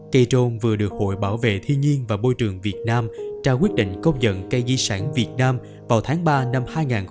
cây trôn vừa được hội bảo vệ thiên nhiên và bôi trường việt nam trao quyết định cốc dẫn cây di sản việt nam vào tháng ba năm hai nghìn hai mươi bốn